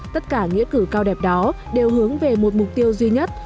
tất cả nghĩa cử cao đẹp đó đều hướng về một mục tiêu duy nhất